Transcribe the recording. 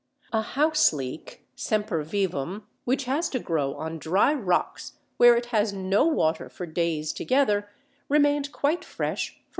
A Houseleek (Sempervivum), which has to grow on dry rocks where it has no water for days together, remained quite fresh for 165 days.